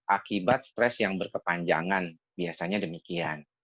akibat stres yang berkepanjangan biasanya demikian